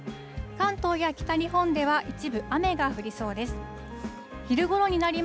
関東や北日本では一部、雨が降り